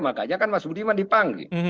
makanya kan mas budiman dipanggil